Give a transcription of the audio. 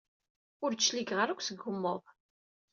Ur d-cligeɣ ara akk seg ugmuḍ.